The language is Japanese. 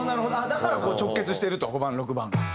だから直結してると５番６番。